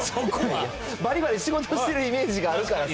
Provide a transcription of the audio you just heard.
ばりばり仕事してるイメージがあるからさ。